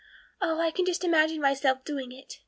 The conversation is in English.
Oh, I can just imagine myself doing it.